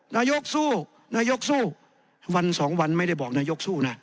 นายกสู้นายกสู้วันสองวันไม่ได้บอกนายกสู้นะ